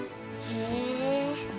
「へえ」